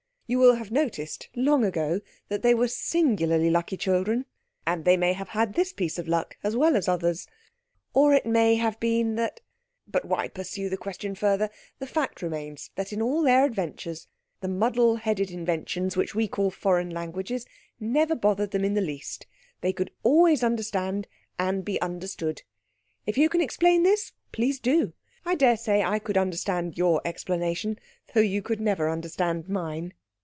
You will have noticed long ago that they were singularly lucky children, and they may have had this piece of luck as well as others. Or it may have been that... but why pursue the question further? The fact remains that in all their adventures the muddle headed inventions which we call foreign languages never bothered them in the least. They could always understand and be understood. If you can explain this, please do. I daresay I could understand your explanation, though you could never understand mine.